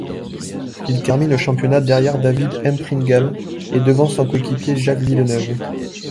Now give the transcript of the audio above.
Il termine au championnat derrière David Empringham et devant son coéquipier Jacques Villeneuve.